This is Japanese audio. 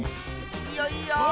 いいよいいよ！